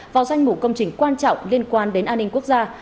vào danh mục công trình quan trọng liên quan đến an ninh quốc gia